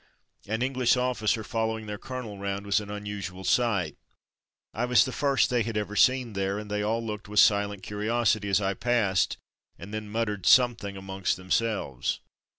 An English officer following their colonel round was an unusual sight — I was the first they had ever seen there, and they all looked with silent curiosity as I passed, and then muttered something amongst themselves.